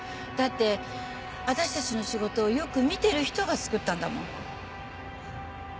だって私たちの仕事をよく見てる人が作ったんだもん。